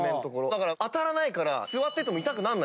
だから当たらないから。